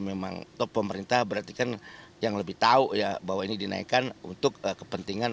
memang pemerintah berarti kan yang lebih tahu ya bahwa ini dinaikkan untuk kepentingan